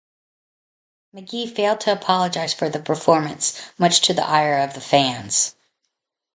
McGhee failed to apologise for the performance, much to the ire of the fans.